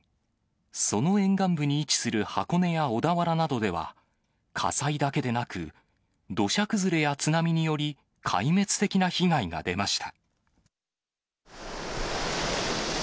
その沿岸部に位置する箱根や小田原などでは、火災だけでなく、土砂崩れや津波により、壊滅的な被害が出ました。